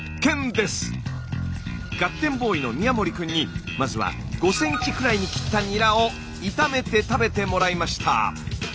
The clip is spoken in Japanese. ガッテンボーイの宮森くんにまずは５ｃｍくらいに切ったニラを炒めて食べてもらいました。